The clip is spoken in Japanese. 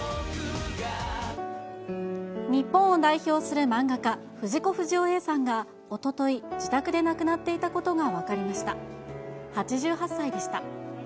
日本を代表する漫画家、藤子不二雄Ａさんが、おととい、自宅で亡くなっていたことが分かりました。